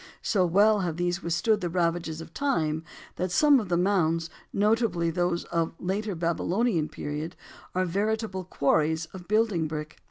So well have these withstood the ravages of time that some of the mounds, notably those of the later Babylonian period, are veritable quarries of building brick.